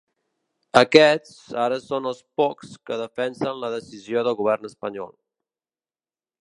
Aquests ara són dels pocs que defensen la decisió del govern espanyol.